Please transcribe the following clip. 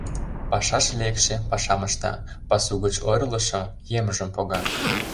Пашаш лекше — пашам ышта, пасу гыч ойырлышо — емыжым пога.